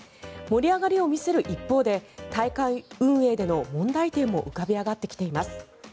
盛り上がりを見せる一方で大会運営での問題点も浮かび上がってきています。